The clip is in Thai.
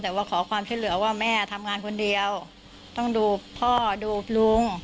แต่ว่าขอความช่วยเหลือว่าแม่ทำงานคนเดียวต้องดูพ่อดูลุง